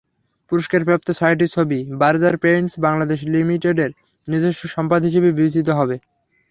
পুরস্কারপ্রাপ্ত ছয়টি ছবি বার্জার পেইন্টস্ বাংলাদেশ লিমিটেডের নিজস্ব সম্পদ হিসেবে বিবেচিত হবে।